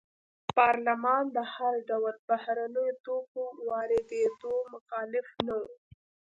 پارلمان د هر ډول بهرنیو توکو واردېدو مخالف نه و.